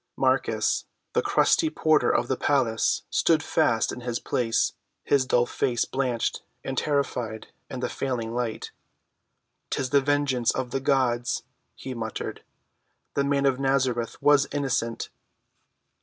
Marcus, the crusty porter of the palace, stood fast in his place, his dull face blanched and terrified in the failing light. "'Tis the vengeance of the gods," he muttered. "The Man of Nazareth was innocent!"